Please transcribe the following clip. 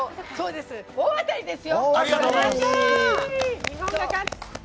大当たりです！